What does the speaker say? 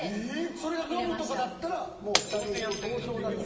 それがノブとかだったらもう２人同票だから。